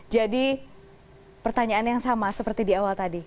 jadi pertanyaan yang sama seperti di awal tadi